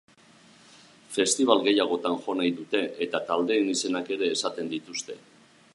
Festibal gehiagotan jo nahi dute eta taldeen izenak ere esaten dituzte.